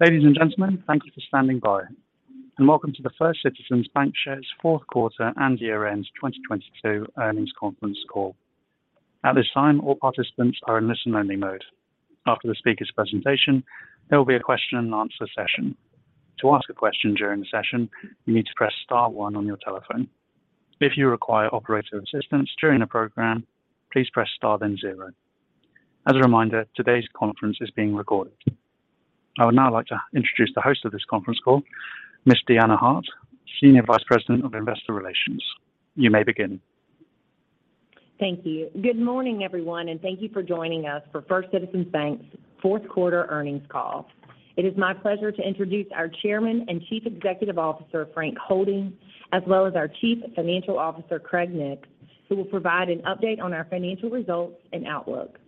Ladies and gentlemen, thank you for standing by, welcome to the First Citizens BancShares fourth quarter and year-end 2022 earnings conference call. At this time, all participants are in listen only mode. After the speaker's presentation, there will be a question and answer session. To ask a question during the session, you need to press star one on your telephone. If you require operator assistance during the program, please press star then zero. As a reminder, today's conference is being recorded. I would now like to introduce the host of this conference call, Ms. Deanna Hart, Senior Vice President of Investor Relations. You may begin. Thank you. Good morning, everyone, thank you for joining us for First Citizens Bank's fourth quarter earnings call. It is my pleasure to introduce our Chairman and Chief Executive Officer, Frank Holding, as well as our Chief Financial Officer, Craig Nix, who will provide an update on our financial results and outlook.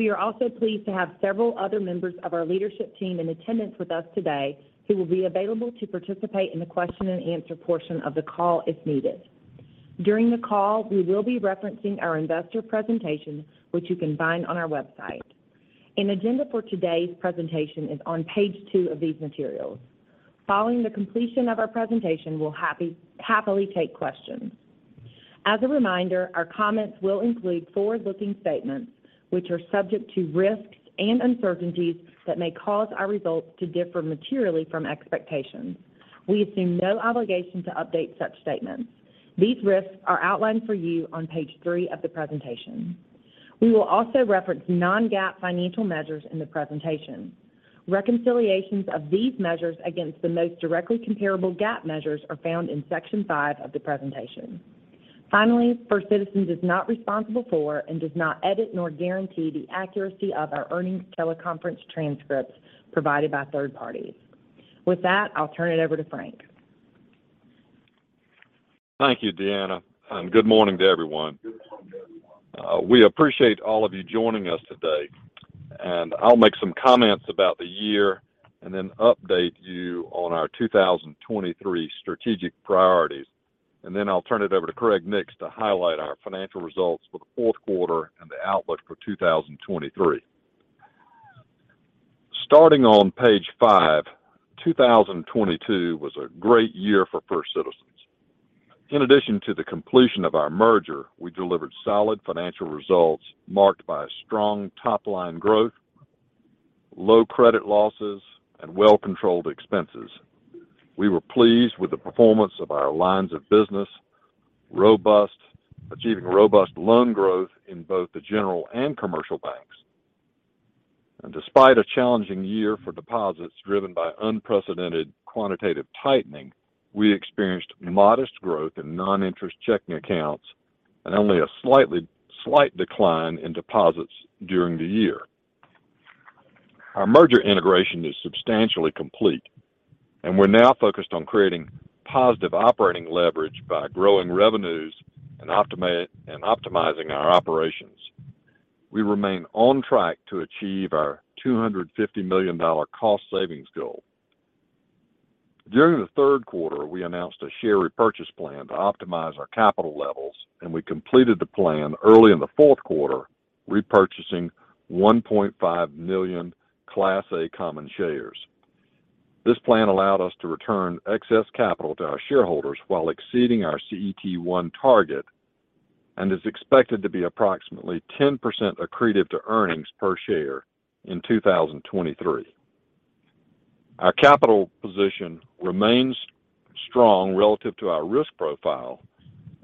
We are also pleased to have several other members of our leadership team in attendance with us today who will be available to participate in the question and answer portion of the call if needed. During the call, we will be referencing our investor presentation, which you can find on our website. An agenda for today's presentation is on page two of these materials. Following the completion of our presentation, we'll happily take questions. As a reminder, our comments will include forward-looking statements which are subject to risks and uncertainties that may cause our results to differ materially from expectations. We assume no obligation to update such statements. These risks are outlined for you on page three of the presentation. We will also reference non-GAAP financial measures in the presentation. Reconciliations of these measures against the most directly comparable GAAP measures are found in section five of the presentation. First Citizens is not responsible for and does not edit nor guarantee the accuracy of our earnings teleconference transcripts provided by third parties. With that, I'll turn it over to Frank. Thank you, Deanna, and good morning to everyone. We appreciate all of you joining us today, and I'll make some comments about the year and then update you on our 2023 strategic priorities. Then I'll turn it over to Craig Nix to highlight our financial results for the fourth quarter and the outlook for 2023. Starting on page five, 2022 was a great year for First Citizens BancShares. In addition to the completion of our merger, we delivered solid financial results marked by a strong top-line growth, low credit losses, and well-controlled expenses. We were pleased with the performance of our lines of business, achieving robust loan growth in both the general and commercial banks. Despite a challenging year for deposits driven by unprecedented quantitative tightening, we experienced modest growth in non-interest checking accounts and only a slightly decline in deposits during the year. Our merger integration is substantially complete, and we're now focused on creating positive operating leverage by growing revenues and optimizing our operations. We remain on track to achieve our $250 million cost savings goal. During the third quarter, we announced a share repurchase plan to optimize our capital levels, and we completed the plan early in the fourth quarter, repurchasing 1.5 million Class A common shares. This plan allowed us to return excess capital to our shareholders while exceeding our CET1 target and is expected to be approximately 10% accretive to earnings per share in 2023. Our capital position remains strong relative to our risk profile.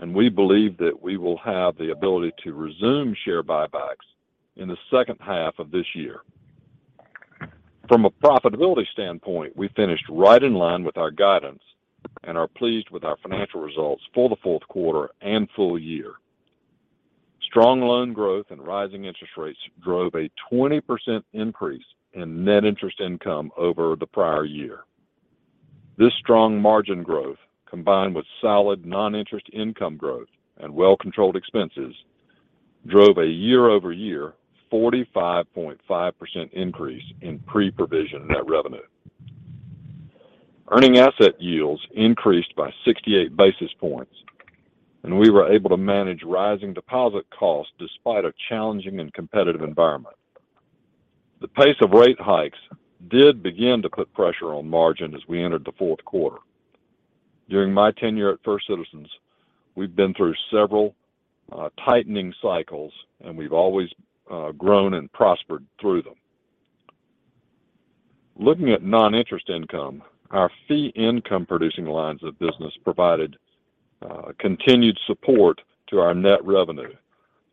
We believe that we will have the ability to resume share buybacks in the second half of this year. From a profitability standpoint, we finished right in line with our guidance and are pleased with our financial results for the fourth quarter and full year. Strong loan growth and rising interest rates drove a 20% increase in net interest income over the prior year. This strong margin growth, combined with solid non-interest income growth and well-controlled expenses, drove a year-over-year 45.5% increase in pre-provision net revenue. Earning asset yields increased by 68 basis points, and we were able to manage rising deposit costs despite a challenging and competitive environment. The pace of rate hikes did begin to put pressure on margin as we entered the fourth quarter. During my tenure at First Citizens, we've been through several tightening cycles, and we've always grown and prospered through them. Looking at non-interest income, our fee income producing lines of business provided continued support to our net revenue,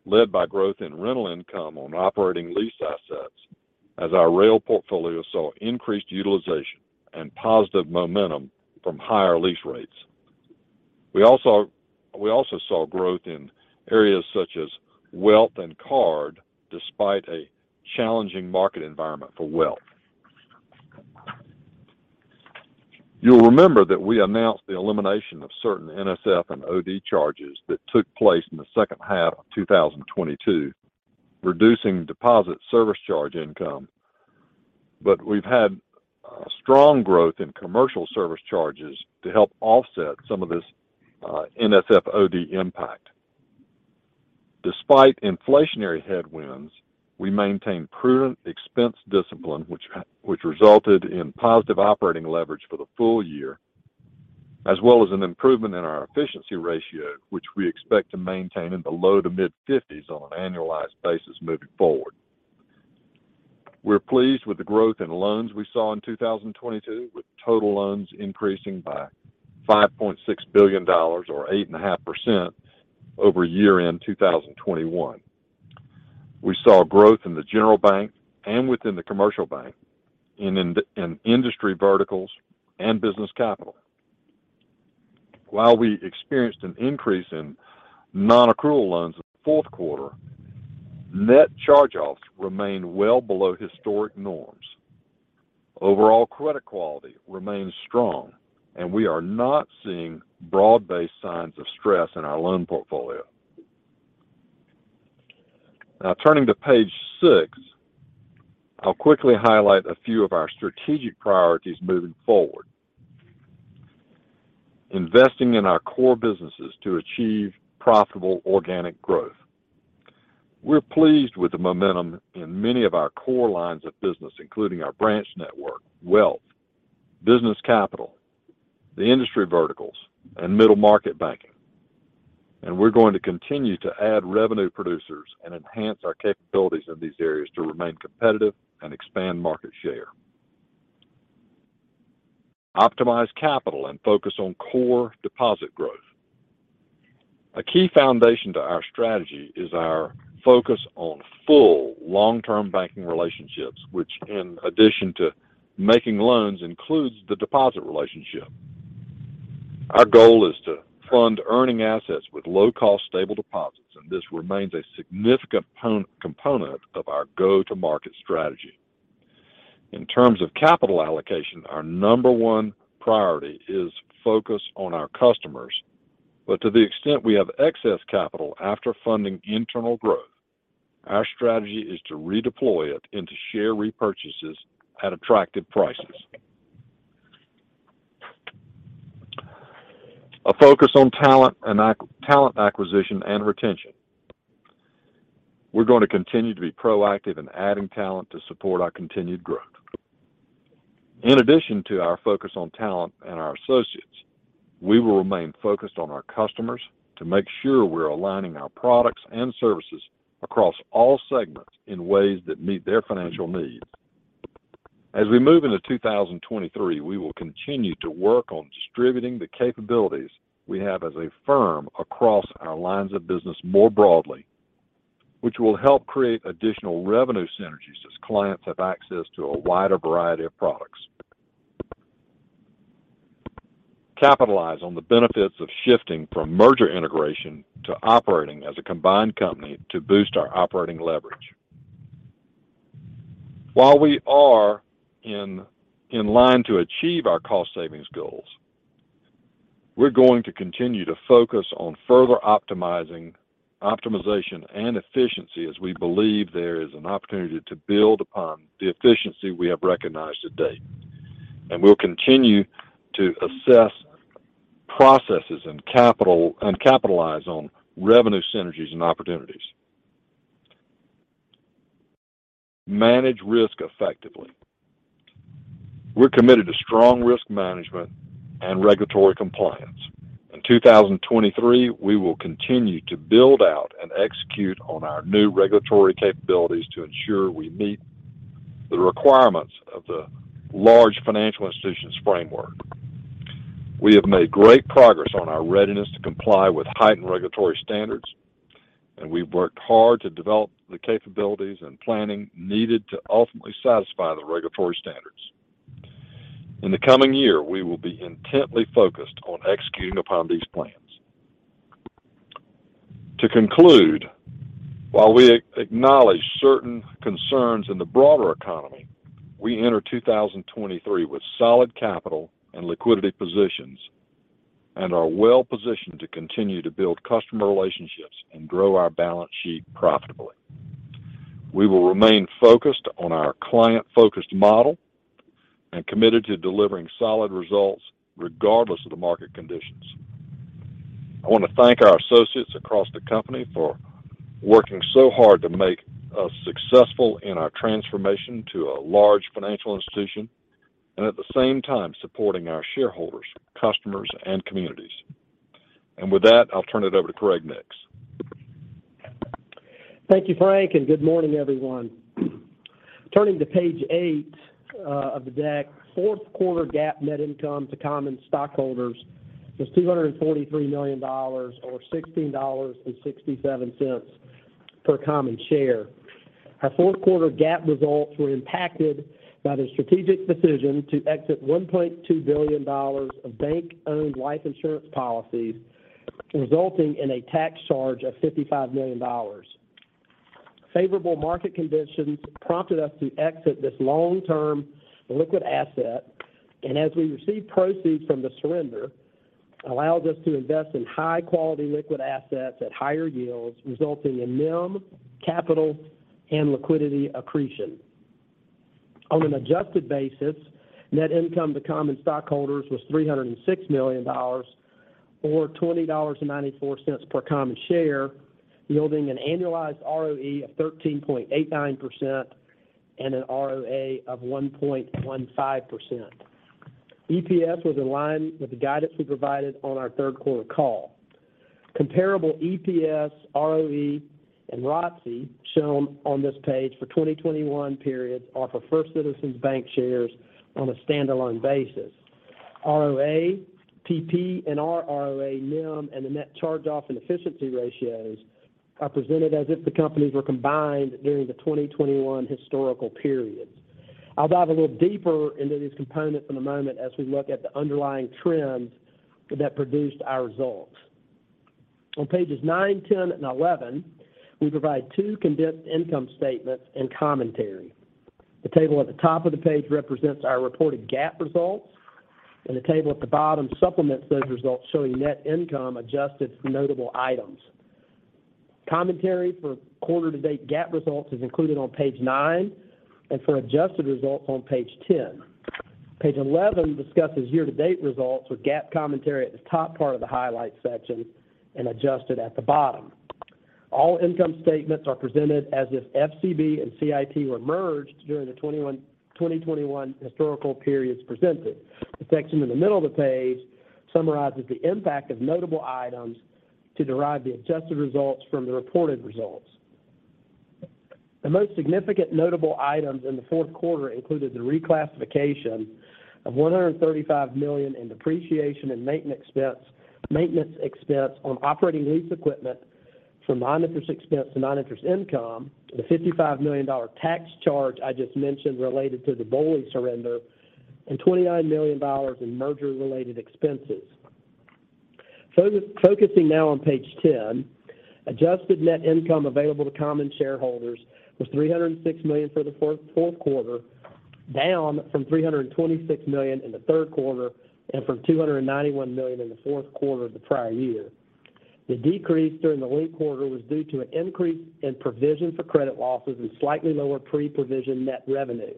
led by growth in rental income on operating lease assets as our rail portfolio saw increased utilization and positive momentum from higher lease rates. We also saw growth in areas such as wealth and card despite a challenging market environment for wealth. You'll remember that we announced the elimination of certain NSF and OD charges that took place in the second half of 2022, reducing deposit service charge income. We've had strong growth in commercial service charges to help offset some of this NSF OD impact. Despite inflationary headwinds, we maintain prudent expense discipline, which resulted in positive operating leverage for the full year, as well as an improvement in our efficiency ratio, which we expect to maintain in the low to mid-fifties on an annualized basis moving forward. We're pleased with the growth in loans we saw in 2022, with total loans increasing by $5.6 billion or 8.5% over year-end 2021. We saw growth in the general bank and within the commercial bank and in industry verticals and business capital. While we experienced an increase in non-accrual loans in the fourth quarter, net charge-offs remained well below historic norms. Overall credit quality remains strong. We are not seeing broad-based signs of stress in our loan portfolio. Now turning to page six, I'll quickly highlight a few of our strategic priorities moving forward. Investing in our core businesses to achieve profitable organic growth. We're pleased with the momentum in many of our core lines of business, including our branch network, wealth, business capital, the industry verticals, and middle-market banking. We're going to continue to add revenue producers and enhance our capabilities in these areas to remain competitive and expand market share. Optimize capital and focus on core deposit growth. A key foundation to our strategy is our focus on full long-term banking relationships, which in addition to making loans, includes the deposit relationship. Our goal is to fund earning assets with low-cost, stable deposits. This remains a significant component of our go-to-market strategy. In terms of capital allocation, our number one priority is focus on our customers. To the extent we have excess capital after funding internal growth, our strategy is to redeploy it into share repurchases at attractive prices. A focus on talent acquisition and retention. We're going to continue to be proactive in adding talent to support our continued growth. In addition to our focus on talent and our associates, we will remain focused on our customers to make sure we're aligning our products and services across all segments in ways that meet their financial needs. As we move into 2023, we will continue to work on distributing the capabilities we have as a firm across our lines of business more broadly, which will help create additional revenue synergies as clients have access to a wider variety of products. Capitalize on the benefits of shifting from merger integration to operating as a combined company to boost our operating leverage. While we are in line to achieve our cost savings goals, we're going to continue to focus on further optimization and efficiency as we believe there is an opportunity to build upon the efficiency we have recognized to date. We'll continue to assess processes and capital and capitalize on revenue synergies and opportunities. Manage risk effectively. We're committed to strong risk management and regulatory compliance. In 2023, we will continue to build out and execute on our new regulatory capabilities to ensure we meet the requirements of the large financial institutions framework. We have made great progress on our readiness to comply with heightened regulatory standards, and we've worked hard to develop the capabilities and planning needed to ultimately satisfy the regulatory standards. In the coming year, we will be intently focused on executing upon these plans. To conclude, while we acknowledge certain concerns in the broader economy, we enter 2023 with solid capital and liquidity positions and are well positioned to continue to build customer relationships and grow our balance sheet profitably. We will remain focused on our client-focused model and committed to delivering solid results regardless of the market conditions. I want to thank our associates across the company for working so hard to make us successful in our transformation to a large financial institution and at the same time supporting our shareholders, customers, and communities. With that, I'll turn it over to Craig Nix. Thank you, Frank, and good morning, everyone. Turning to page eight of the deck, fourth quarter GAAP net income to common stockholders was $243 million or $16.67 per common share. Our fourth quarter GAAP results were impacted by the strategic decision to exit $1.2 billion of Bank-Owned Life Insurance policies, resulting in a tax charge of $55 million. Favorable market conditions prompted us to exit this long-term liquid asset, and as we received proceeds from the surrender, allowed us to invest in high-quality liquid assets at higher yields, resulting in NIM, capital, and liquidity accretion. On an adjusted basis, net income to common stockholders was $306 million or $20.94 per common share, yielding an annualized ROE of 13.89% and an ROA of 1.15%. EPS was in line with the guidance we provided on our third quarter call. Comparable EPS, ROE, and ROTCE shown on this page for 2021 periods are for First Citizens Bank shares on a standalone basis. ROA, PPNR ROA NIM, and the net charge-off and efficiency ratios are presented as if the companies were combined during the 2021 historical periods. I'll dive a little deeper into these components in a moment as we look at the underlying trends that produced our results. On pages nine, 10, and 11, we provide two condensed income statements and commentary. The table at the top of the page represents our reported GAAP results, and the table at the bottom supplements those results showing net income adjusted for notable items. Commentary for quarter-to-date GAAP results is included on page nine and for adjusted results on page 10. Page 11 discusses year-to-date results with GAAP commentary at the top part of the highlights section and adjusted at the bottom. All income statements are presented as if FCB and CIT were merged during the 2021 historical periods presented. The section in the middle of the page summarizes the impact of notable items to derive the adjusted results from the reported results. The most significant notable items in the fourth quarter included the reclassification of $135 million in depreciation and maintenance expense, maintenance expense on operating lease equipment from non-interest expense to non-interest income, the $55 million tax charge I just mentioned related to the BOLI surrender, and $29 million in merger-related expenses. Focusing now on page 10, adjusted net income available to common shareholders was $306 million for the fourth quarter, down from $326 million in the third quarter and from $291 million in the fourth quarter of the prior year. The decrease during the linked quarter was due to an increase in provision for credit losses and slightly lower pre-provision net revenue.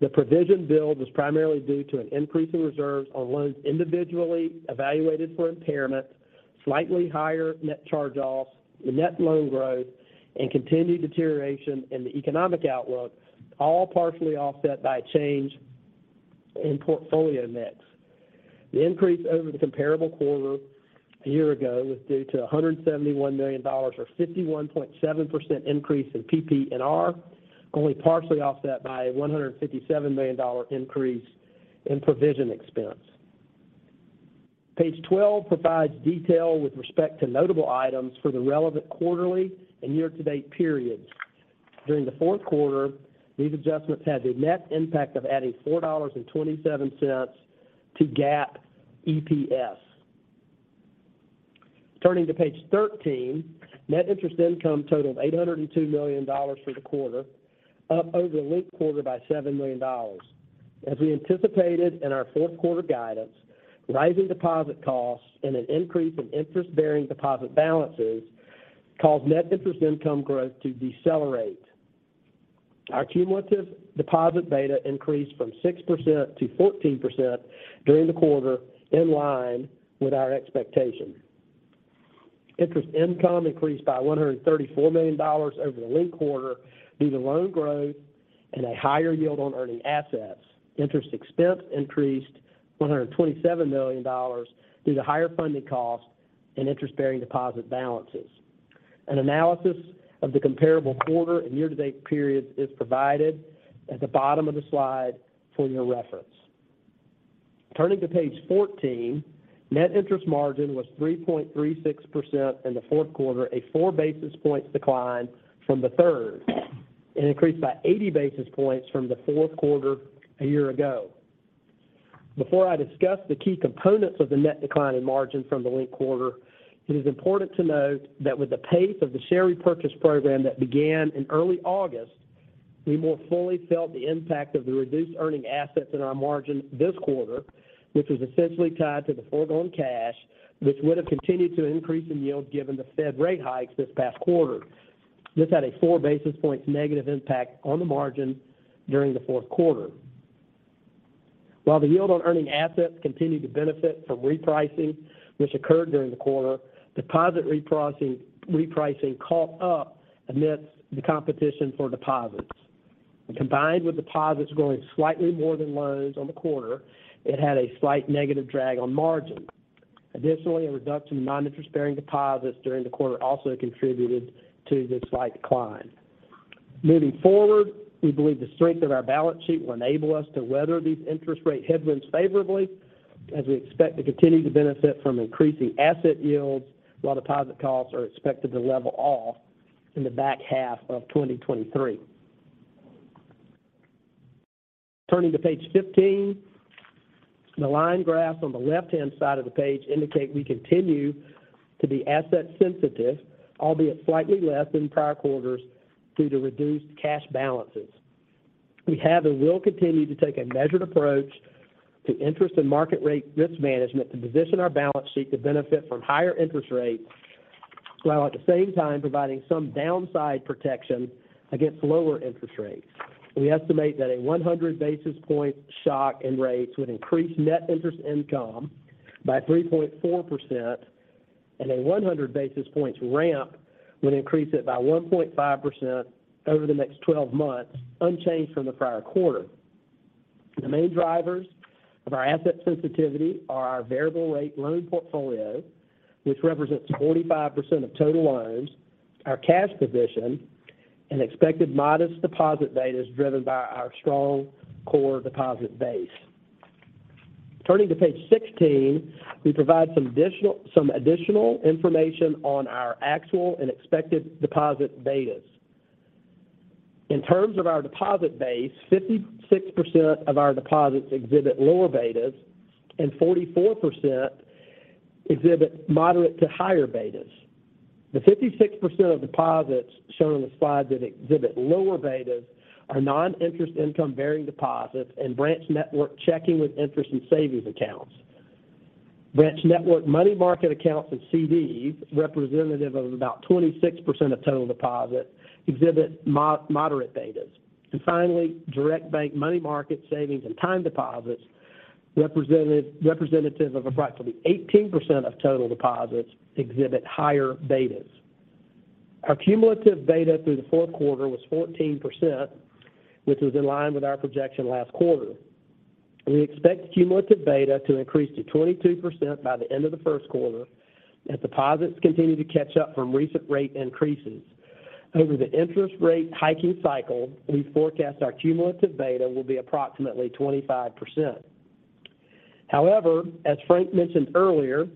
The provision build was primarily due to an increase in reserves on loans individually evaluated for impairment, slightly higher net charge-offs, net loan growth, and continued deterioration in the economic outlook, all partially offset by a change in portfolio mix. The increase over the comparable quarter a year ago was due to a $171 million or 51.7% increase in PPNR, only partially offset by a $157 million increase in provision expense. Page 12 provides detail with respect to notable items for the relevant quarterly and year-to-date periods. During the fourth quarter, these adjustments had a net impact of adding $4.27 to GAAP EPS. Turning to page 13, net interest income totaled $802 million for the quarter, up over the linked quarter by $7 million. As we anticipated in our fourth quarter guidance, rising deposit costs and an increase in interest-bearing deposit balances caused net interest income growth to decelerate. Our cumulative deposit beta increased from 6% to 14% during the quarter in line with our expectations. Interest income increased by $134 million over the linked quarter due to loan growth and a higher yield on earning assets. Interest expense increased $127 million due to higher funding costs and interest-bearing deposit balances. An analysis of the comparable quarter and year-to-date periods is provided at the bottom of the slide for your reference. Turning to page 14, net interest margin was 3.36% in the fourth quarter, a four basis points decline from the third, and increased by 80 basis points from the fourth quarter a year ago. Before I discuss the key components of the net decline in margin from the linked quarter, it is important to note that with the pace of the share repurchase program that began in early August, we more fully felt the impact of the reduced earning assets in our margin this quarter, which was essentially tied to the foregone cash, which would have continued to increase in yield given the Fed rate hikes this past quarter. This had a four basis points negative impact on the margin during the fourth quarter. While the yield on earning assets continued to benefit from repricing which occurred during the quarter, deposit repricing caught up amidst the competition for deposits. Combined with deposits growing slightly more than loans on the quarter, it had a slight negative drag on margin. Additionally, a reduction in non-interest-bearing deposits during the quarter also contributed to the slight decline. Moving forward, we believe the strength of our balance sheet will enable us to weather these interest rate headwinds favorably as we expect to continue to benefit from increasing asset yields while deposit costs are expected to level off in the back half of 2023. Turning to page 15, the line graph on the left-hand side of the page indicate we continue to be asset sensitive, albeit slightly less than prior quarters due to reduced cash balances. We have and will continue to take a measured approach to interest and market rate risk management to position our balance sheet to benefit from higher interest rates while at the same time providing some downside protection against lower interest rates. We estimate that a 100 basis point shock in rates would increase net interest income by 3.4% and a 100 basis points ramp would increase it by 1.5% over the next 12 months, unchanged from the prior quarter. The main drivers of our asset sensitivity are our variable rate loan portfolio, which represents 45% of total loans, our cash position, and expected modest deposit betas driven by our strong core deposit base. Turning to page 16, we provide some additional information on our actual and expected deposit betas. In terms of our deposit base, 56% of our deposits exhibit lower betas and 44% exhibit moderate to higher betas. The 56% of deposits shown on the slide that exhibit lower betas are non-interest income-bearing deposits and branch network checking with interest and savings accounts. Branch network money market accounts and CDs, representative of about 26% of total deposits, exhibit moderate betas. Finally, direct bank money market savings and time deposits representative of approximately 18% of total deposits exhibit higher betas. Our cumulative beta through the fourth quarter was 14%, which was in line with our projection last quarter. We expect cumulative beta to increase to 22% by the end of the first quarter as deposits continue to catch up from recent rate increases. Over the interest rate hiking cycle, we forecast our cumulative beta will be approximately 25%. As Frank mentioned earlier,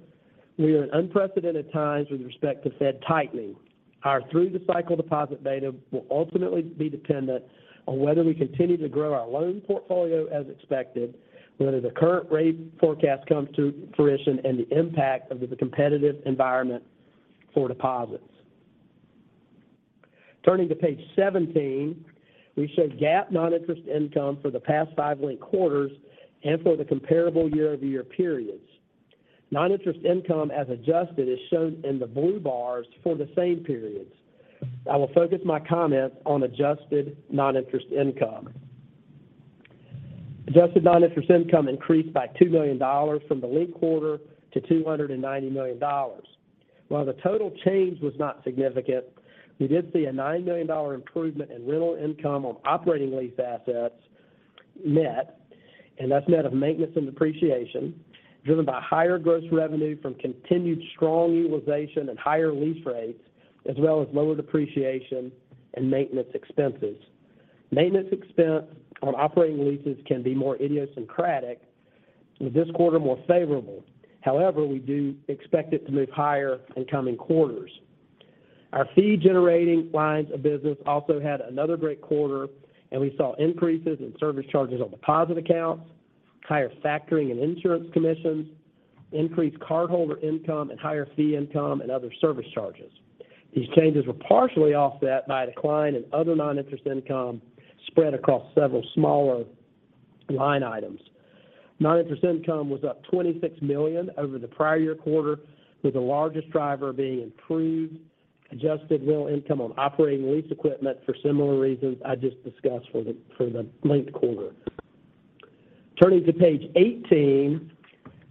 we are in unprecedented times with respect to Fed tightening. Our through-the-cycle deposit beta will ultimately be dependent on whether we continue to grow our loan portfolio as expected, whether the current rate forecast comes to fruition, and the impact of the competitive environment for deposits. Turning to page 17, we show GAAP non-interest income for the past five linked quarters and for the comparable year-over-year periods. Non-interest income as adjusted is shown in the blue bars for the same periods. I will focus my comments on adjusted non-interest income. Adjusted non-interest income increased by $2 million from the linked quarter to $290 million. While the total change was not significant, we did see a $9 million improvement in rental income on operating lease assets net, and that's net of maintenance and depreciation, driven by higher gross revenue from continued strong utilization and higher lease rates, as well as lower depreciation and maintenance expenses. Maintenance expense on operating leases can be more idiosyncratic with this quarter more favorable. However, we do expect it to move higher in coming quarters. Our fee-generating lines of business also had another great quarter, and we saw increases in service charges on deposit accounts, higher factoring and insurance commissions, increased cardholder income, and higher fee income and other service charges. These changes were partially offset by a decline in other non-interest income spread across several smaller line items. Non-interest income was up $26 million over the prior year quarter, with the largest driver being improved adjusted real income on operating lease equipment for similar reasons I just discussed for the linked quarter. Turning to page 18,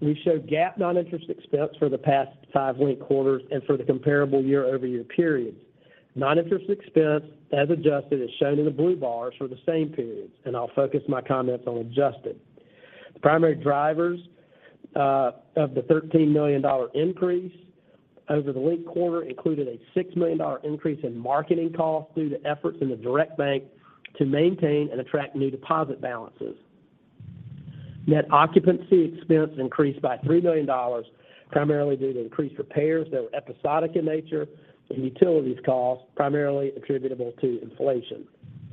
we show GAAP non-interest expense for the past five linked quarters and for the comparable year-over-year periods. Non-interest expense as adjusted is shown in the blue bars for the same periods. I'll focus my comments on adjusted. The primary drivers of the $13 million increase over the linked quarter included a $6 million increase in marketing costs due to efforts in the direct bank to maintain and attract new deposit balances. Net occupancy expense increased by $3 million, primarily due to increased repairs that were episodic in nature and utilities costs primarily attributable to inflation.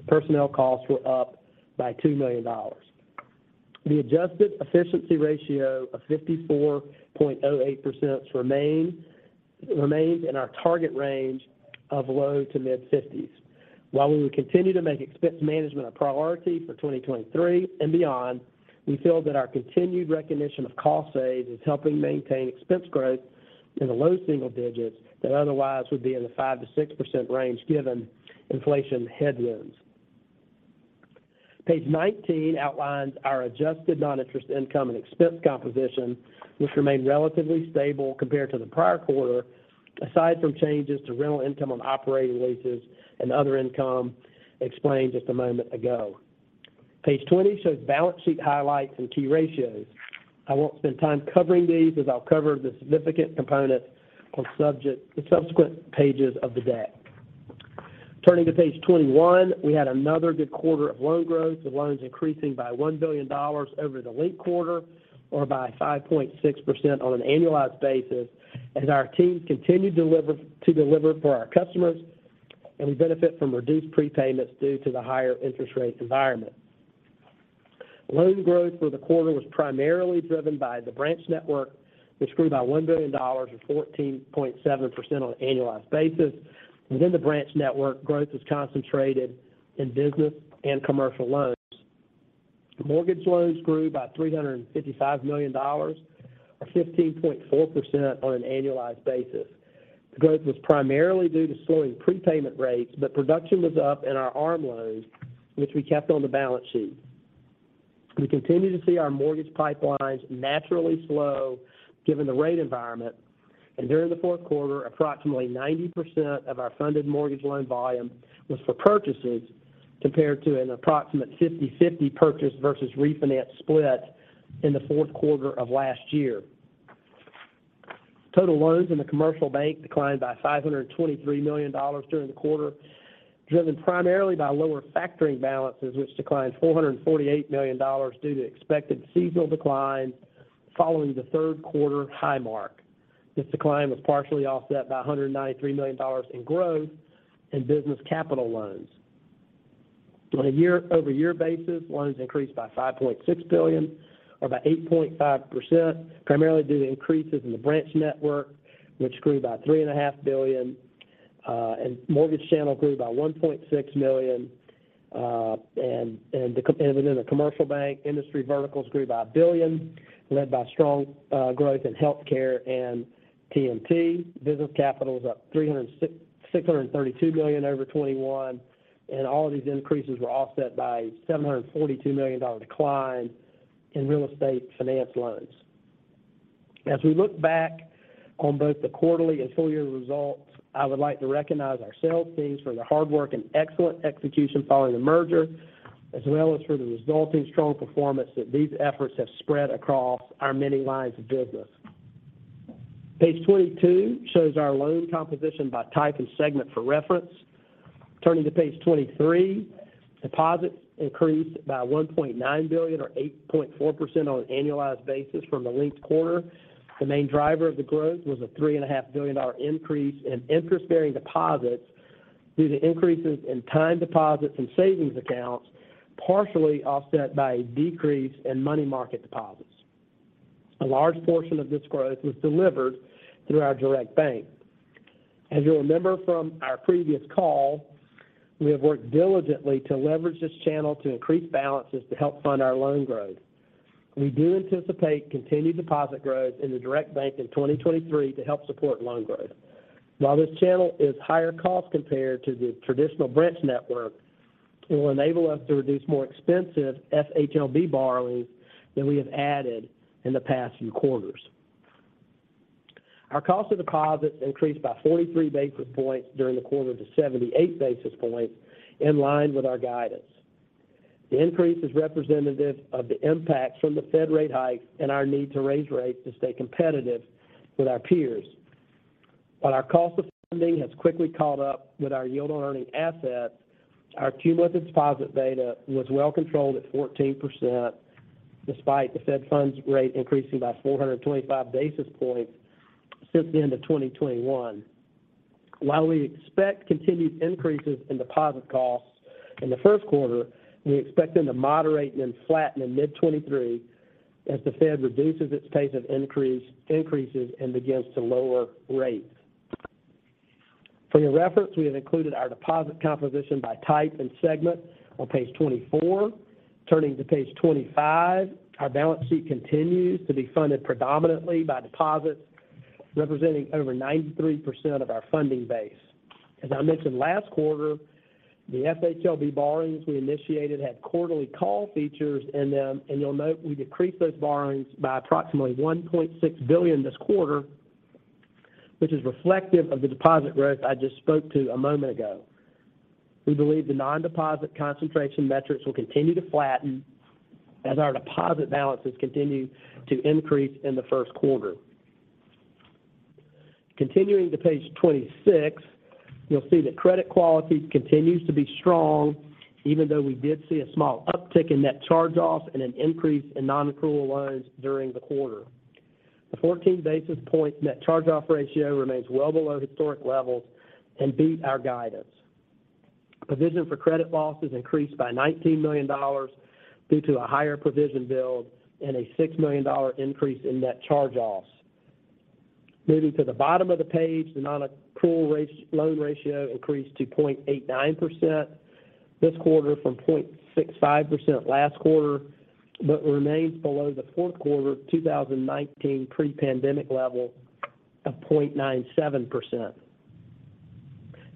Personnel costs were up by $2 million. The adjusted efficiency ratio of 54.08% remains in our target range of low to mid-fifties. While we will continue to make expense management a priority for 2023 and beyond, we feel that our continued recognition of cost saves is helping maintain expense growth in the low single-digits that otherwise would be in the 5%-6% range given inflation headwinds. Page 19 outlines our adjusted non-interest income and expense composition, which remained relatively stable compared to the prior quarter, aside from changes to rental income on operating leases and other income explained just a moment ago. Page 20 shows balance sheet highlights and key ratios. I won't spend time covering these as I'll cover the significant components in subsequent pages of the deck. Turning to page 21, we had another good quarter of loan growth, with loans increasing by $1 billion over the linked quarter or by 5.6% on an annualized basis as our team continued to deliver for our customers and we benefit from reduced prepayments due to the higher interest rate environment. Loan growth for the quarter was primarily driven by the branch network, which grew by $1 billion or 14.7% on an annualized basis. Within the branch network, growth was concentrated in business and commercial loans. Mortgage loans grew by $355 million or 15.4% on an annualized basis. The growth was primarily due to slowing prepayment rates, but production was up in our ARM loans, which we kept on the balance sheet. We continue to see our mortgage pipelines naturally slow given the rate environment. During the fourth quarter, approximately 90% of our funded mortgage loan volume was for purchases compared to an approximate 50/50 purchase versus refinance split in the fourth quarter of last year. Total loans in the commercial bank declined by $523 million during the quarter, driven primarily by lower factoring balances, which declined $448 million due to expected seasonal decline following the third quarter high mark. This decline was partially offset by $193 million in growth in business capital loans. On a year-over-year basis, loans increased by $5.6 billion or by 8.5%, primarily due to increases in the branch network, which grew by $3.5 billion, and mortgage channel grew by $1.6 million, and within the commercial bank, industry verticals grew by $1 billion, led by strong growth in healthcare and TMT. Business capital was up $632 million over 2021. All of these increases were offset by $742 million decline in real estate finance loans. As we look back on both the quarterly and full year results, I would like to recognize our sales teams for their hard work and excellent execution following the merger, as well as for the resulting strong performance that these efforts have spread across our many lines of business. Page 22 shows our loan composition by type and segment for reference. Turning to page 23, deposits increased by $1.9 billion or 8.4% on an annualized basis from the linked quarter. The main driver of the growth was a $3.5 billion dollar increase in interest-bearing deposits due to increases in time deposits and savings accounts, partially offset by a decrease in money market deposits. A large portion of this growth was delivered through our direct bank. As you'll remember from our previous call, we have worked diligently to leverage this channel to increase balances to help fund our loan growth. We do anticipate continued deposit growth in the direct bank in 2023 to help support loan growth. While this channel is higher cost compared to the traditional branch network, it will enable us to reduce more expensive FHLB borrowings than we have added in the past few quarters. Our cost of deposits increased by 43 basis points during the quarter to 78 basis points in line with our guidance. The increase is representative of the impact from the Fed rate hike and our need to raise rates to stay competitive with our peers. While our cost of funding has quickly caught up with our yield on earning assets, our cumulative deposit beta was well controlled at 14% despite the Fed funds rate increasing by 425 basis points since the end of 2021. While we expect continued increases in deposit costs in the first quarter, we expect them to moderate and then flatten in mid-2023 as the Fed reduces its pace of increase and begins to lower rates. For your reference, we have included our deposit composition by type and segment on page 24. Turning to page 25, our balance sheet continues to be funded predominantly by deposits representing over 93% of our funding base. As I mentioned last quarter, the FHLB borrowings we initiated had quarterly call features in them. You'll note we decreased those borrowings by approximately $1.6 billion this quarter, which is reflective of the deposit growth I just spoke to a moment ago. We believe the non-deposit concentration metrics will continue to flatten as our deposit balances continue to increase in the first quarter. Continuing to page 26, you'll see that credit quality continues to be strong even though we did see a small uptick in net charge-offs and an increase in non-accrual loans during the quarter. The 14 basis point net charge-off ratio remains well below historic levels and beat our guidance. Provision for credit losses increased by $19 million due to a higher provision build and a $6 million increase in net charge-offs. Moving to the bottom of the page, the non-accrual loan ratio increased to 0.89% this quarter from 0.65% last quarter, but remains below the fourth quarter of 2019 pre-pandemic level of 0.97%.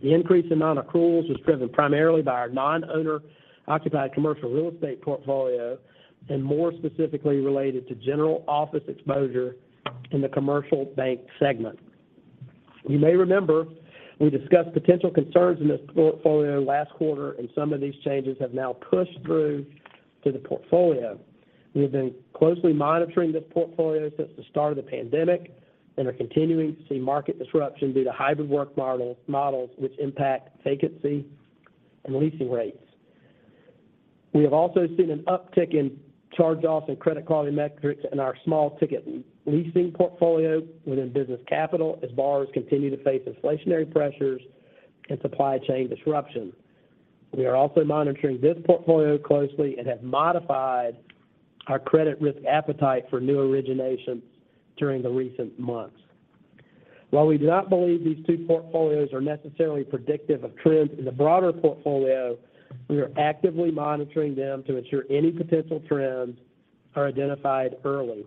The increase in non-accruals was driven primarily by our non-owner occupied commercial real estate portfolio and more specifically related to general office exposure in the commercial bank segment. You may remember we discussed potential concerns in this portfolio last quarter, and some of these changes have now pushed through to the portfolio. We have been closely monitoring this portfolio since the start of the pandemic and are continuing to see market disruption due to hybrid work models which impact vacancy and leasing rates. We have also seen an uptick in charge-offs and credit quality metrics in our small-ticket leasing portfolio within business capital as borrowers continue to face inflationary pressures and supply chain disruption. We are also monitoring this portfolio closely and have modified our credit risk appetite for new originations during the recent months. While we do not believe these two portfolios are necessarily predictive of trends in the broader portfolio, we are actively monitoring them to ensure any potential trends are identified early.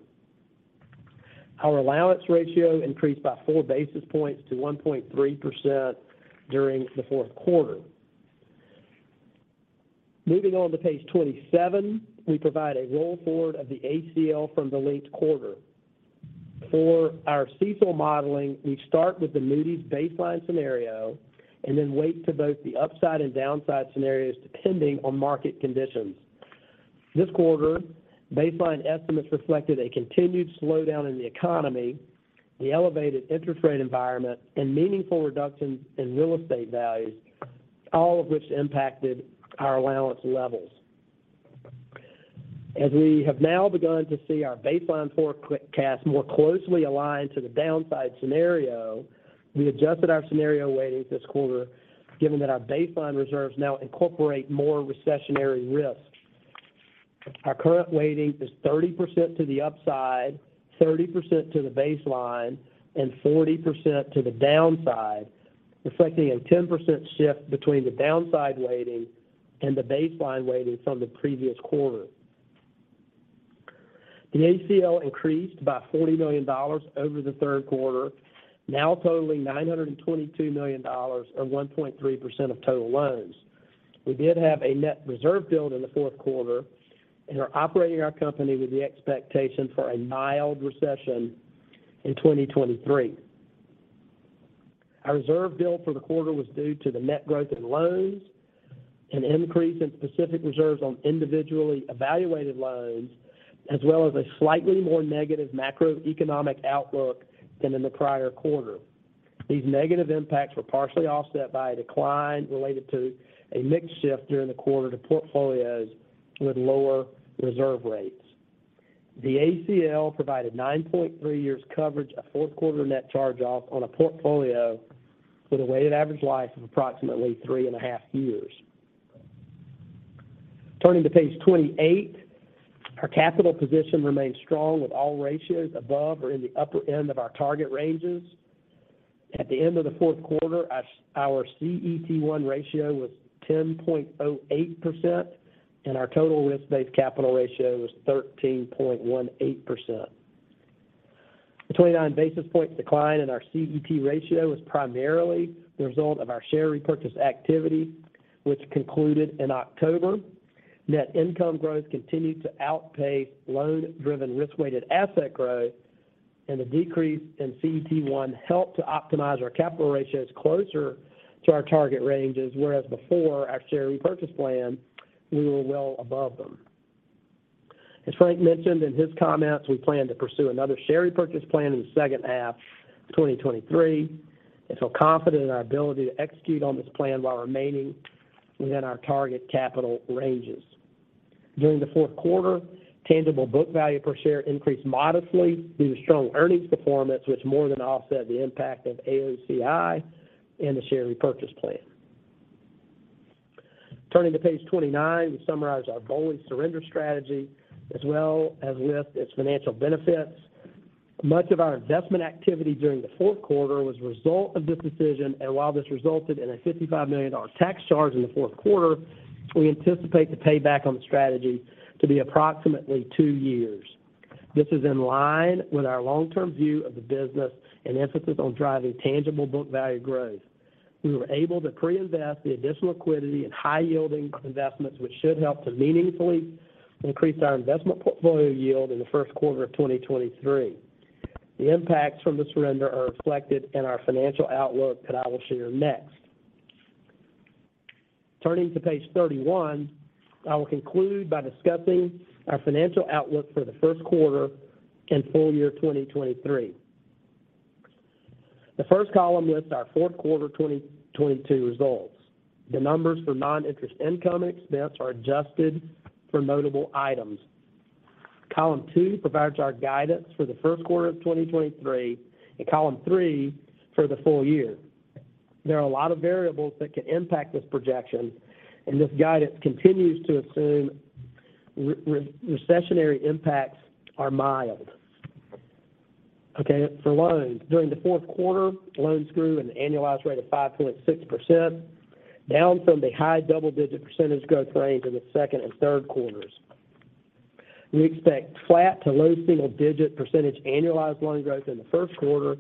Our allowance ratio increased by four basis points to 1.3% during the fourth quarter. Moving on to page 27, we provide a roll forward of the ACL from the late quarter. For our CECL modeling, we start with the Moody's baseline scenario and then weight to both the upside and downside scenarios depending on market conditions. This quarter, baseline estimates reflected a continued slowdown in the economy, the elevated interest rate environment, and meaningful reductions in real estate values, all of which impacted our allowance levels. We have now begun to see our baseline forecast more closely aligned to the downside scenario, we adjusted our scenario weightings this quarter, given that our baseline reserves now incorporate more recessionary risks. Our current weighting is 30% to the upside, 30% to the baseline, and 40% to the downside, reflecting a 10% shift between the downside weighting and the baseline weighting from the previous quarter. The ACL increased by $40 million over the third quarter, now totaling $922 million, or 1.3% of total loans. We did have a net reserve build in the fourth quarter and are operating our company with the expectation for a mild recession in 2023. Our reserve build for the quarter was due to the net growth in loans, an increase in specific reserves on individually evaluated loans, as well as a slightly more negative macroeconomic outlook than in the prior quarter. These negative impacts were partially offset by a decline related to a mix shift during the quarter to portfolios with lower reserve rates. The ACL provided 9.3 years coverage of fourth quarter net charge-off on a portfolio with a weighted average life of approximately 3.5 years. Turning to page 28, our capital position remains strong with all ratios above or in the upper end of our target ranges. At the end of the fourth quarter, our CET1 ratio was 10.08% and our total risk-based capital ratio was 13.18%. The 29 basis point decline in our CET ratio was primarily the result of our share repurchase activity, which concluded in October. Net income growth continued to outpace loan-driven risk-weighted asset growth, and the decrease in CET1 helped to optimize our capital ratios closer to our target ranges, whereas before our share repurchase plan, we were well above them. As Frank mentioned in his comments, we plan to pursue another share repurchase plan in the second half of 2023 and feel confident in our ability to execute on this plan while remaining within our target capital ranges. During the fourth quarter, tangible book value per share increased modestly due to strong earnings performance, which more than offset the impact of AOCI and the share repurchase plan. Turning to page 29, we summarize our BOLI surrender strategy as well as list its financial benefits. Much of our investment activity during the fourth quarter was a result of this decision, and while this resulted in a $55 million tax charge in the fourth quarter, we anticipate the payback on the strategy to be approximately two years. This is in line with our long-term view of the business and emphasis on driving tangible book value growth. We were able to pre-invest the additional liquidity in high yielding investments, which should help to meaningfully increase our investment portfolio yield in the first quarter of 2023. The impacts from the surrender are reflected in our financial outlook that I will share next. Turning to page 31, I will conclude by discussing our financial outlook for the first quarter and full year 2023. The first column lists our fourth quarter 2022 results. The numbers for non-interest income expense are adjusted for notable items. Column two provides our guidance for the first quarter of 2023 and column three for the full year. There are a lot of variables that can impact this projection. This guidance continues to assume recessionary impacts are mild. Okay, for loans. During the fourth quarter, loans grew at an annualized rate of 5.6%, down from the high double-digit percentage growth range in the second and third quarters. We expect flat to low single-digit percentage annualized loan growth in the first quarter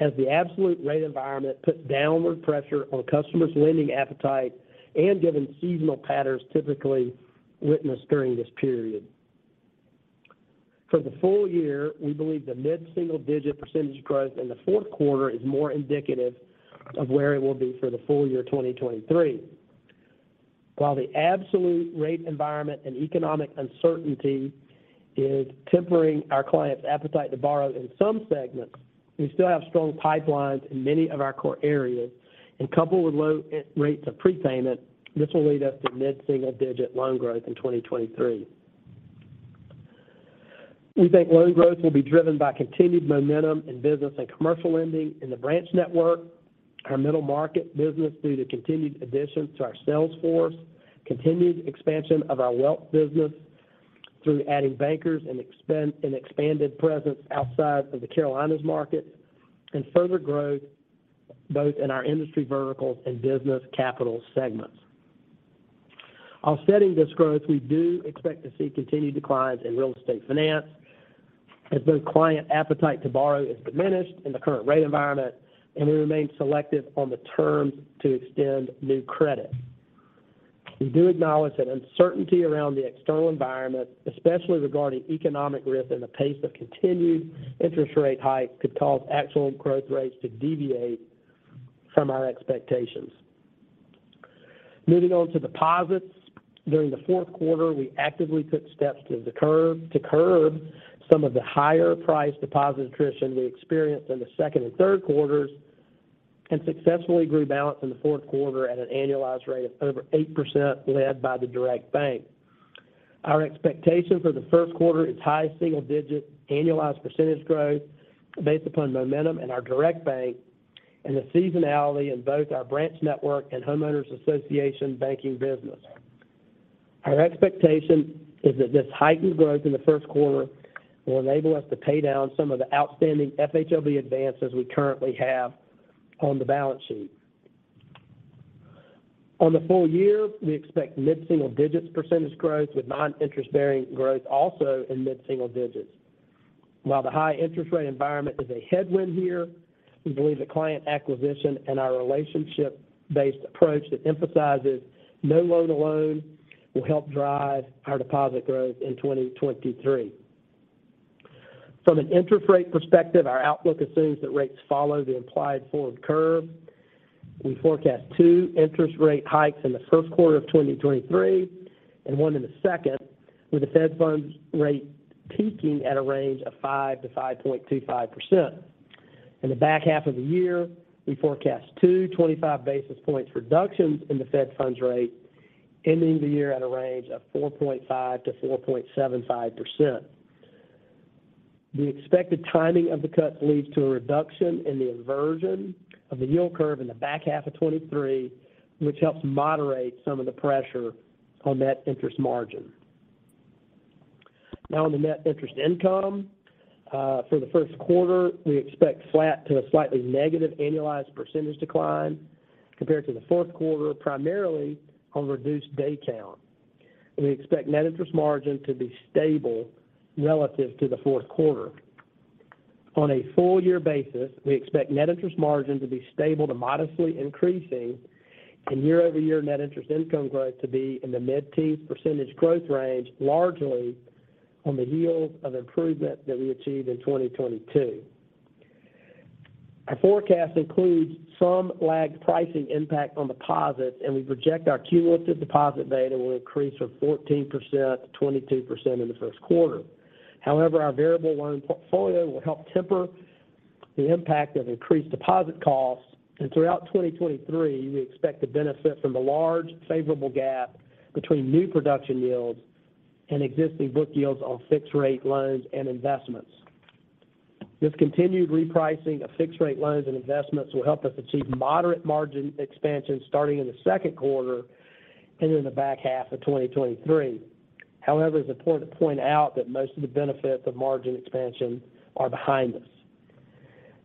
as the absolute rate environment puts downward pressure on customers' lending appetite and given seasonal patterns typically witnessed during this period. For the full year, we believe the mid-single digit percentage growth in the fourth quarter is more indicative of where it will be for the full year 2023. While the absolute rate environment and economic uncertainty is tempering our clients' appetite to borrow in some segments, we still have strong pipelines in many of our core areas, and coupled with low rates of prepayment, this will lead us to mid-single digit loan growth in 2023. We think loan growth will be driven by continued momentum in business and commercial lending in the branch network, our middle market business due to continued additions to our sales force, continued expansion of our wealth business through adding bankers and an expanded presence outside of the Carolinas market, and further growth both in our industry verticals and business capital segments. Offsetting this growth, we do expect to see continued declines in real estate finance as both client appetite to borrow is diminished in the current rate environment, and we remain selective on the terms to extend new credit. We do acknowledge that uncertainty around the external environment, especially regarding economic risk and the pace of continued interest rate hikes, could cause actual growth rates to deviate from our expectations. Moving on to deposits. During the fourth quarter, we actively took steps to curb some of the higher-priced deposit attrition we experienced in the second and third quarters. Successfully grew balance in the fourth quarter at an annualized rate of over 8% led by the direct bank. Our expectation for the first quarter is high single-digit annualized percentage growth based upon momentum in our direct bank and the seasonality in both our branch network and homeowners association banking business. Our expectation is that this heightened growth in the first quarter will enable us to pay down some of the outstanding FHLB advances we currently have on the balance sheet. On the full year, we expect mid-single digits percentage growth, with non-interest-bearing growth also in mid-single digits. While the high interest rate environment is a headwind here, we believe the client acquisition and our relationship-based approach that emphasizes No-Loan-Alone will help drive our deposit growth in 2023. From an interest rate perspective, our outlook assumes that rates follow the implied forward curve. We forecast two interest rate hikes in the first quarter of 2023 and 1 in the second, with the Fed funds rate peaking at a range of 5%-5.25%. In the back half of the year, we forecast two 25 basis points reductions in the Fed funds rate, ending the year at a range of 4.5%-4.75%. The expected timing of the cuts leads to a reduction in the inversion of the yield curve in the back half of 2023, which helps moderate some of the pressure on net interest margin. On the net interest income for the first quarter, we expect flat to a slightly negative annualized percentage decline compared to the fourth quarter, primarily on reduced day count. We expect net interest margin to be stable relative to the fourth quarter. On a full year basis, we expect net interest margin to be stable to modestly increasing and year-over-year net interest income growth to be in the mid-teens percentage growth range, largely on the yield of improvement that we achieved in 2022. We project our cumulative deposit beta will increase from 14% to 22% in the first quarter. Our variable loan portfolio will help temper the impact of increased deposit costs. Throughout 2023, we expect to benefit from the large favorable gap between new production yields and existing book yields on fixed rate loans and investments. This continued repricing of fixed rate loans and investments will help us achieve moderate margin expansion starting in the second quarter and in the back half of 2023. It's important to point out that most of the benefits of margin expansion are behind us.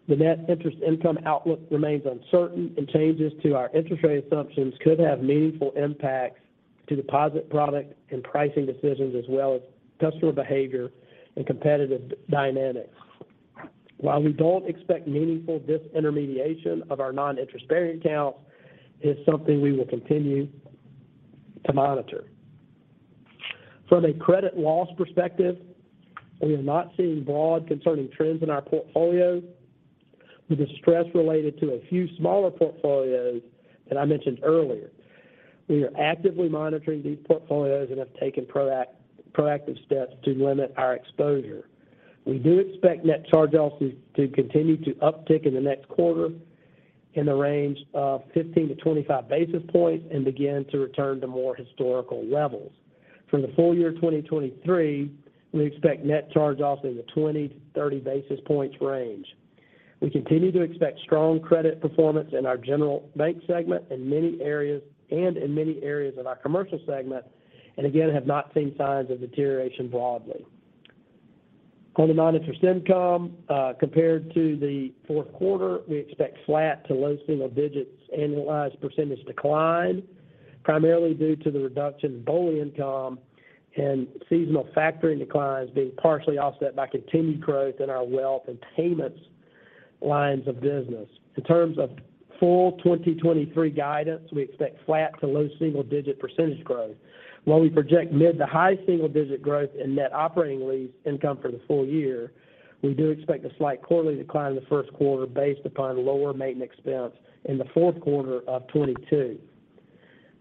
The net interest income outlook remains uncertain. Changes to our interest rate assumptions could have meaningful impacts to deposit product and pricing decisions as well as customer behavior and competitive dynamics. While we don't expect meaningful disintermediation of our non-interest-bearing accounts, it's something we will continue to monitor. From a credit loss perspective, we are not seeing broad concerning trends in our portfolios with the stress related to a few smaller portfolios that I mentioned earlier. We are actively monitoring these portfolios and have taken proactive steps to limit our exposure. We do expect net charge-offs to continue to uptick in the next quarter in the range of 15-25 basis points and begin to return to more historical levels. For the full year 2023, we expect net charge-offs in the 20-30 basis points range. We continue to expect strong credit performance in our general bank segment in many areas, and in many areas of our commercial segment, and again have not seen signs of deterioration broadly. On the non-interest income, compared to the fourth quarter, we expect flat to low single-digits annualized percentage decline, primarily due to the reduction in BOLI income and seasonal factoring declines being partially offset by continued growth in our wealth and payments lines of business. In terms of full 2023 guidance, we expect flat to low single-digit percentage growth. While we project mid to high single-digit growth in net operating lease income for the full year, we do expect a slight quarterly decline in the first quarter based upon lower maintenance expense in the fourth quarter of 2022.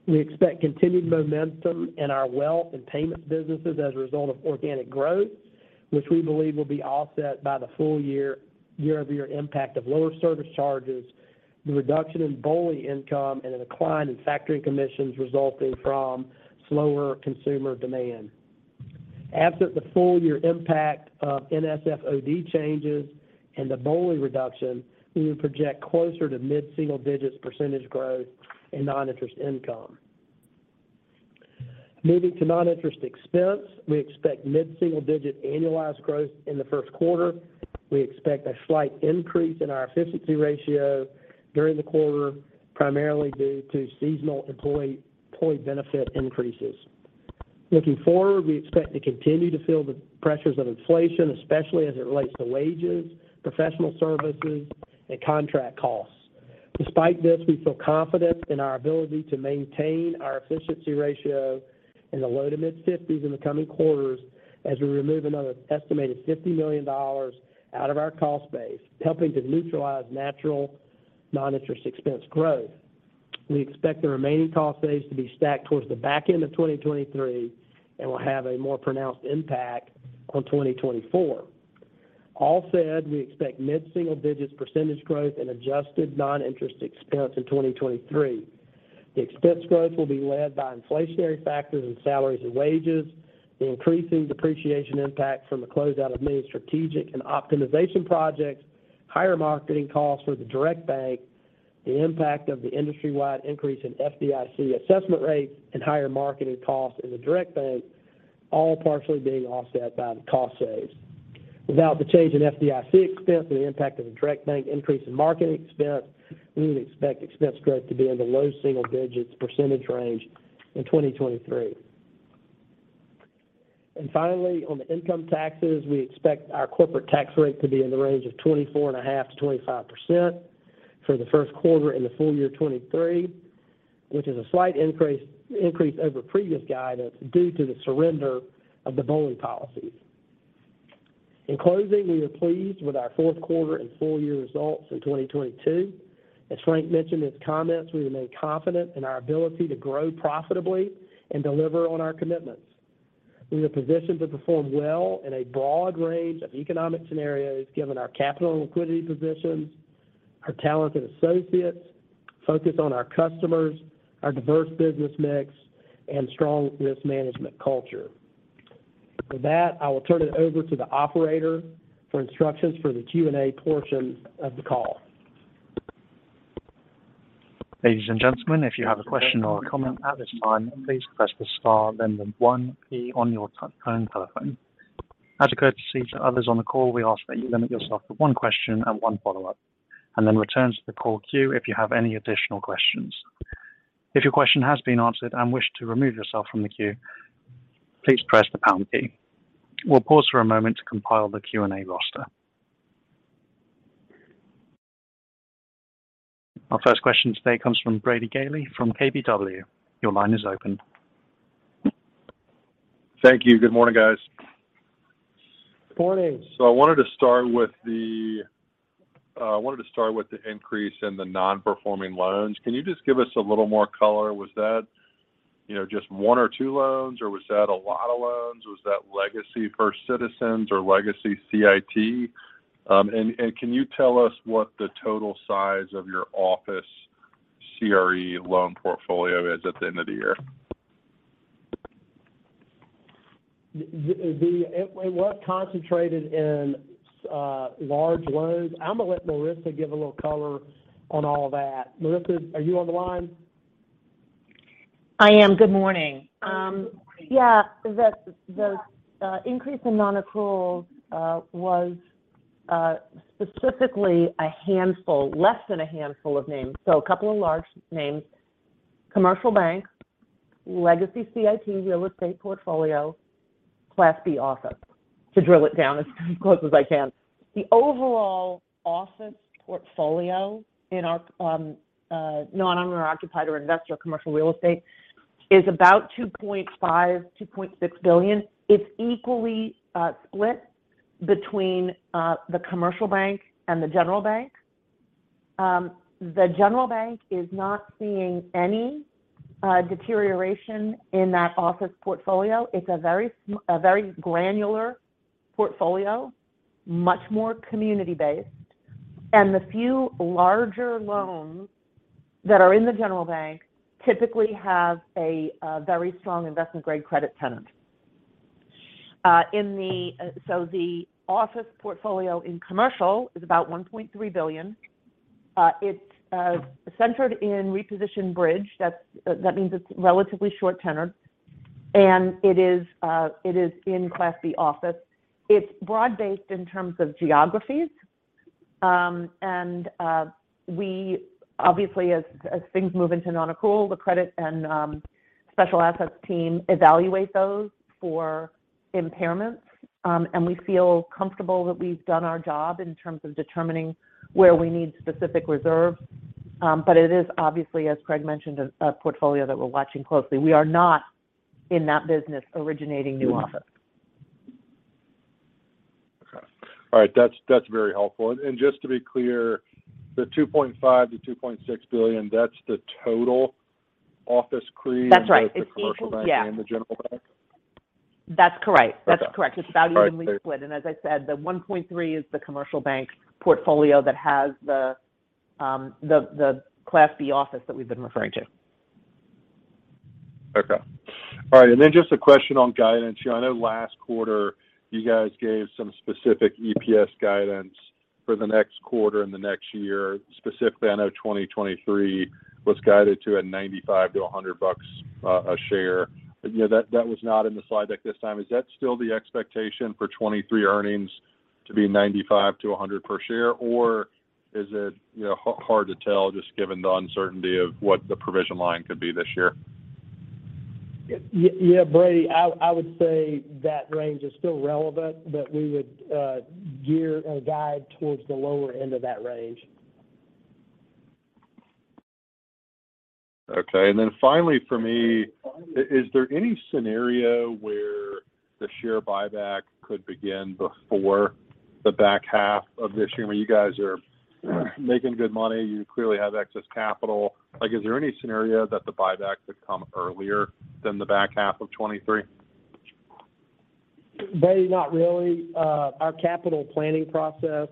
We expect continued momentum in our wealth and payments businesses as a result of organic growth, which we believe will be offset by the full year-over-year impact of lower service charges, the reduction in BOLI income, and a decline in factoring commissions resulting from slower consumer demand. Absent the full year impact of NSFOD changes, the BOLI reduction, we would project closer to mid-single digits percentage growth in non-interest income. Moving to non-interest expense, we expect mid-single digit annualized growth in the first quarter. We expect a slight increase in our efficiency ratio during the quarter, primarily due to seasonal employee benefit increases. Looking forward, we expect to continue to feel the pressures of inflation, especially as it relates to wages, professional services, and contract costs. Despite this, we feel confident in our ability to maintain our efficiency ratio in the low to mid-fifties in the coming quarters as we remove another estimated $50 million out of our cost base, helping to neutralize natural non-interest expense growth. We expect the remaining cost base to be stacked towards the back end of 2023, and will have a more pronounced impact on 2024. All said, we expect mid-single digits percentage growth in adjusted non-interest expense in 2023. The expense growth will be led by inflationary factors in salaries and wages, the increasing depreciation impact from the closeout of many strategic and optimization projects, higher marketing costs for the direct bank, the impact of the industry-wide increase in FDIC assessment rates and higher marketing costs in the direct bank, all partially being offset by the cost saves. Without the change in FDIC expense and the impact of the direct bank increase in marketing expense, we would expect expense growth to be in the low single-digits percentage range in 2023. Finally, on the income taxes, we expect our corporate tax rate to be in the range of 24.5%-25% for the first quarter in the full year 2023, which is a slight increase over previous guidance due to the surrender of the BOLI policies. In closing, we are pleased with our fourth quarter and full year results in 2022. As Frank mentioned in his comments, we remain confident in our ability to grow profitably and deliver on our commitments. We are positioned to perform well in a broad range of economic scenarios given our capital and liquidity positions, our talented associates, focus on our customers, our diverse business mix, and strong risk management culture. With that, I will turn it over to the operator for instructions for the Q&A portion of the call. Ladies and gentlemen, if you have a question or a comment at this time, please press the star then the one key on your telephone. As a courtesy to others on the call, we ask that you limit yourself to one question and one follow-up, and then return to the call queue if you have any additional questions. If your question has been answered and wish to remove yourself from the queue, please press the pound key. We'll pause for a moment to compile the Q&A roster. Our first question today comes from Brady Gailey from KBW. Your line is open. Thank you. Good morning, guys. Morning. I wanted to start with the increase in the non-performing loans. Can you just give us a little more color? Was that, you know, just one or two loans, or was that a lot of loans? Was that legacy First Citizens or legacy CIT? Can you tell us what the total size of your office CRE loan portfolio is at the end of the year? It was concentrated in large loans. I'm gonna let Marisa give a little color on all that. Marisa, are you on the line? I am. Good morning. Good morning. Yeah. The increase in non-accrual was specifically a handful, less than a handful of names. A couple of large names. Commercial bank, legacy CIT real estate portfolio, Class B office, to drill it down as close as I can. The overall office portfolio in our non-owner occupied or investor commercial real estate is about $2.5 billion-$2.6 billion. It's equally split between the commercial bank and the general bank. The general bank is not seeing any deterioration in that office portfolio. It's a very granular portfolio, much more community-based. The few larger loans that are in the general bank typically have a very strong investment-grade credit tenant. In the office portfolio in commercial is about $1.3 billion. It's centered in reposition bridge. That's that means it's relatively short tenured. It is in Class B office. It's broad-based in terms of geographies. We obviously as things move into non-accrual, the credit and special assets team evaluate those for impairments. We feel comfortable that we've done our job in terms of determining where we need specific reserves. It is obviously, as Craig mentioned, a portfolio that we're watching closely. We are not in that business originating new office. Okay. All right. That's very helpful. Just to be clear, the $2.5 billion-$2.6 billion, that's the total office CRE- That's right. both the commercial bank and the general bank? That's correct. Okay. That's correct. All right. Thank you. It's about evenly split. As I said, the 1.3 is the commercial bank portfolio that has the Class B office that we've been referring to. Okay. All right, just a question on guidance. You know, I know last quarter you guys gave some specific EPS guidance for the next quarter and the next year. Specifically, I know 2023 was guided to a $95-$100 a share. You know, that was not in the slide deck this time. Is that still the expectation for 2023 earnings to be $95-$100 per share? Or is it, you know, hard to tell just given the uncertainty of what the provision line could be this year? Yeah, Brady, I would say that range is still relevant, but we would gear or guide towards the lower end of that range. Okay. Finally for me, is there any scenario where the share buyback could begin before the back half of this year? I mean, you guys are making good money. You clearly have excess capital. Like, is there any scenario that the buyback could come earlier than the back half of 23? Brady, not really. Our capital planning process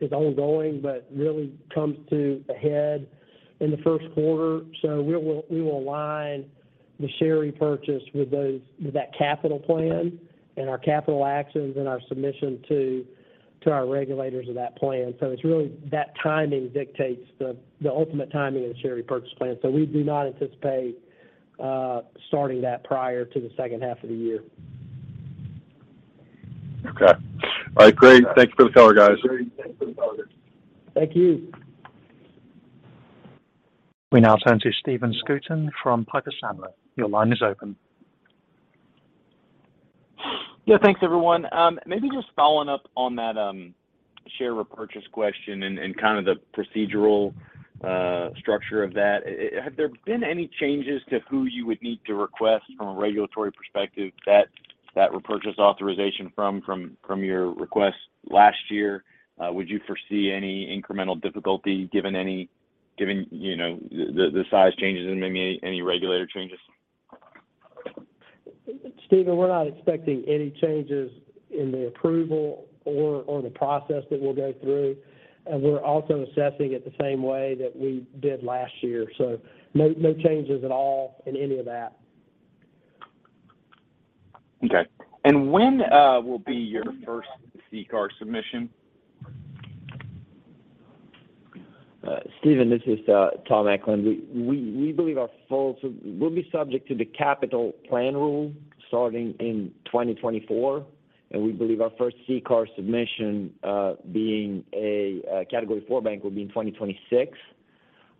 is ongoing, but really comes to a head in the first quarter. We will align the share repurchase with those, with that capital plan, and our capital actions and our submission to our regulators of that plan. It's really that timing dictates the ultimate timing of the share repurchase plan. We do not anticipate starting that prior to the second half of the year. Okay. All right, great. Thanks for the color, guys. Thank you. We now turn to Stephen Scouten from Piper Sandler. Your line is open. Yeah. Thanks, everyone. Maybe just following up on that, share repurchase question and kind of the procedural, structure of that. Have there been any changes to who you would need to request from a regulatory perspective that repurchase authorization from your request last year? Would you foresee any incremental difficulty given, you know, the size changes and maybe any regulator changes? Stephen, we're not expecting any changes in the approval or the process that we'll go through. We're also assessing it the same way that we did last year. No changes at all in any of that. Okay. When will be your first CCAR submission? Stephen, this is Tom Epting. We believe we'll be subject to the capital plan rule starting in 2024. We believe our first CCAR submission, being a category four bank will be in 2026,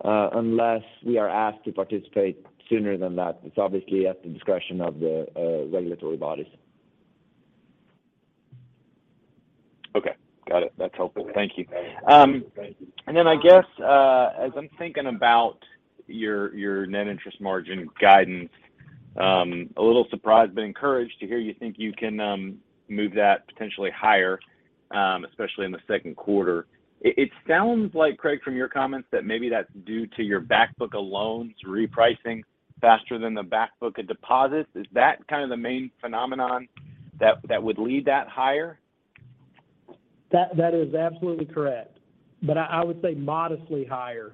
unless we are asked to participate sooner than that. It's obviously at the discretion of the regulatory bodies. Okay. Got it. That's helpful. Thank you. Then I guess, as I'm thinking about your net interest margin guidance, a little surprised but encouraged to hear you think you can move that potentially higher, especially in the second quarter. It sounds like, Craig, from your comments that maybe that's due to your back book of loans repricing faster than the back book of deposits. Is that kind of the main phenomenon that would lead that higher? That is absolutely correct. I would say modestly higher.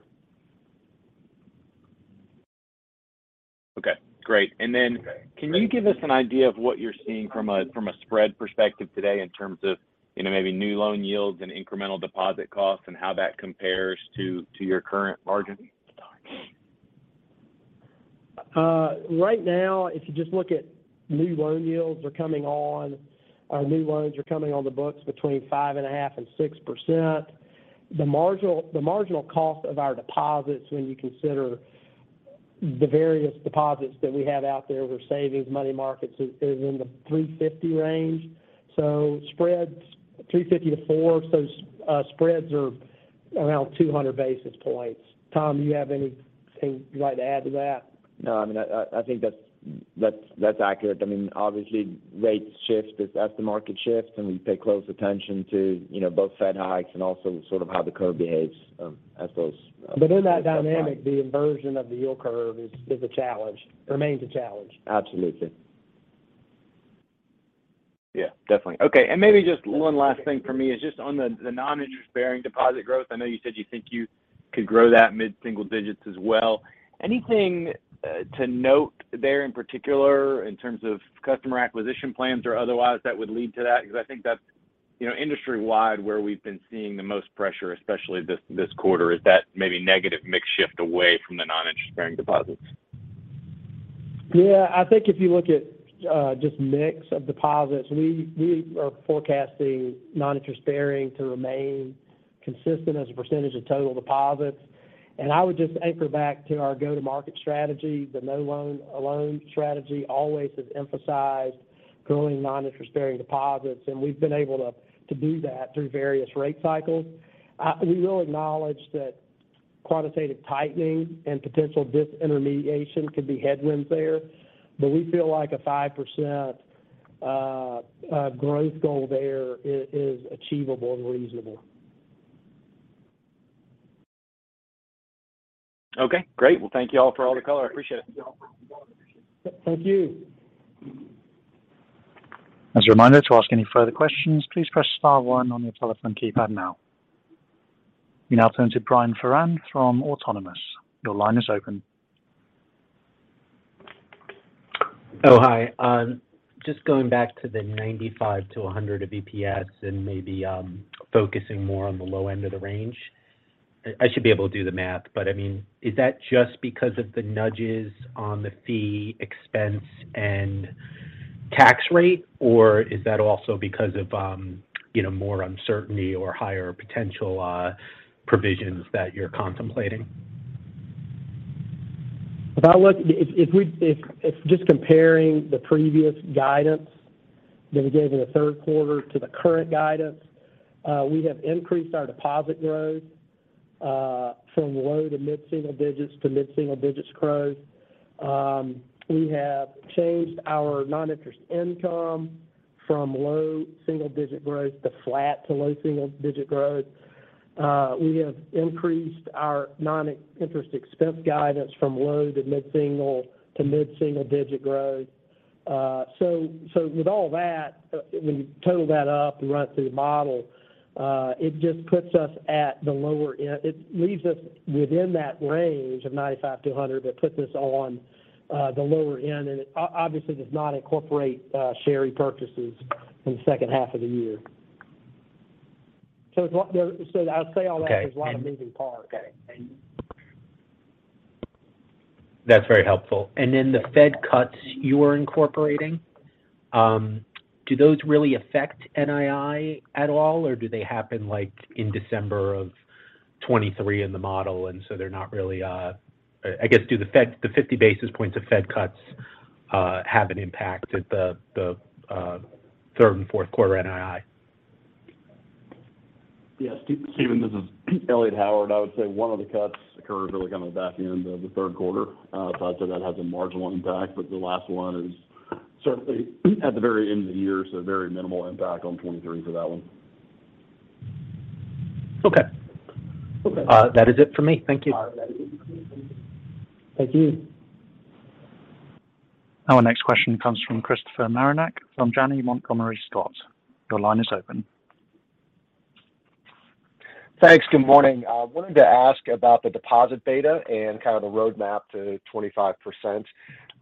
Okay, great. Can you give us an idea of what you're seeing from a spread perspective today in terms of, you know, maybe new loan yields and incremental deposit costs and how that compares to your current margin? Right now, if you just look at our new loans are coming on the books between 5.5% and 6%. The marginal cost of our deposits when you consider the various deposits that we have out there over savings, money markets is in the 3.50% range. Spreads 3.50% to 4%. Spreads are around 200 basis points. Tom, do you have anything you'd like to add to that? No. I mean, I think that's accurate. I mean, obviously rates shift as the market shifts, and we pay close attention to, you know, both Fed hikes and also sort of how the curve behaves. In that dynamic, the inversion of the yield curve is a challenge, remains a challenge. Absolutely. Yeah, definitely. Okay. Maybe just one last thing for me is just on the non-interest-bearing deposit growth. I know you said you think you could grow that mid-single digits as well. Anything to note there in particular in terms of customer acquisition plans or otherwise that would lead to that? I think that's, you know, industry-wide, where we've been seeing the most pressure, especially this quarter, is that maybe negative mix shift away from the non-interest-bearing deposits. Yeah. I think if you look at just mix of deposits, we are forecasting non-interest-bearing to remain consistent as a percentage of total deposits. I would just anchor back to our go-to-market strategy. The No-Loan-Alone strategy always has emphasized growing non-interest-bearing deposits, and we've been able to do that through various rate cycles. We will acknowledge that quantitative tightening and potential disintermediation could be headwinds there, but we feel like a 5% growth goal there is achievable and reasonable. Okay. Great. Well, thank you all for all the color. I appreciate it. Thank you. As a reminder, to ask any further questions, please press star one on your telephone keypad now. We now turn to Brian Foran from Autonomous. Your line is open. Oh, hi. Just going back to the $95-$100 of EPS and maybe, focusing more on the low end of the range. I should be able to do the math, but, I mean, is that just because of the nudges on the fee expense and tax rate, or is that also because of, you know, more uncertainty or higher potential, provisions that you're contemplating? If just comparing the previous guidance that we gave in the third quarter to the current guidance, we have increased our deposit growth from low to mid-single digits to mid-single digits growth. We have changed our non-interest income from low single-digit growth to flat to low single-digit growth. We have increased our non-interest expense guidance from low to mid single to mid-single digit growth. With all that, when you total that up and run it through the model, it just puts us at the lower end. It leaves us within that range of 95-100, but puts us on the lower end, and it obviously does not incorporate share repurchases in the second half of the year. I say all that. Okay. There's a lot of moving parts. Okay. That's very helpful. The Fed cuts you are incorporating, do those really affect NII at all, or do they happen, like, in December of 2023 in the model, they're not really. I guess, do the Fed the 50 basis points of Fed cuts have an impact at the third and fourth quarter NII? Yeah. This is Elliot Howard. I would say one of the cuts occurred really kind of the back end of the third quarter. I'd say that has a marginal impact. The last one is certainly at the very end of the year. Very minimal impact on 2023 for that one. Okay. Okay. That is it for me. Thank you. All right. That is it for me. Thank you. Thank you. Our next question comes from Christopher Marinac from Janney Montgomery Scott. Your line is open. Thanks. Good morning. I wanted to ask about the deposit beta and kind of the roadmap to 25%.